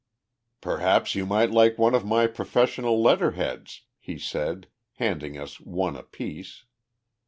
"Perhaps you might like one of my professional letter heads," he said, handing us one apiece.